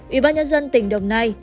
ủy ban nhân dân tỉnh đồng nai